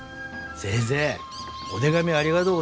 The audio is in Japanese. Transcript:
先生お手紙ありがとうございます。